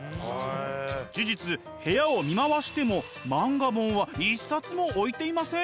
事実部屋を見回しても漫画本は一冊も置いていません。